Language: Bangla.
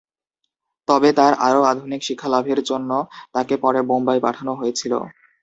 তবে তাঁর আরও আধুনিক শিক্ষা লাভের জন্য তাঁকে পরে বোম্বাই পাঠানো হয়েছিল।